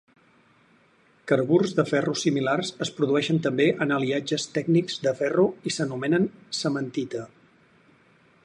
Carburs de ferro similars es produeixen també en aliatges tècnics de ferro i s'anomenen cementita.